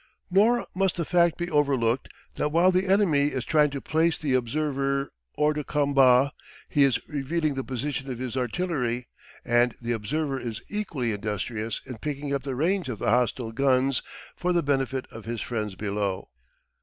Nor must the fact be overlooked that while the enemy is trying to place the observer hors de combat, he is revealing the position of his artillery, and the observer is equally industrious in picking up the range of the hostile guns for the benefit of his friends below.